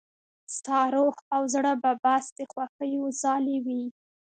ستا روح او زړه به بس د خوښيو ځالې وي.